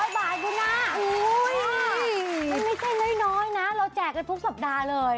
อุ้ยเป็นไม่ใช่น้อยนะเราแจกกันทุกสัปดาห์เลย